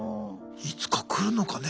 いつか来るのかね